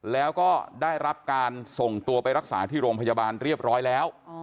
แล้วก็ได้รับการส่งตัวไปรักษาที่โรงพยาบาลเรียบร้อยแล้ว